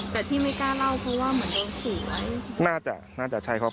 แต่ที่ไม่กล้าเล่าเพราะว่าเหมือนโดนขู่ไว้น่าจะน่าจะใช่ครับ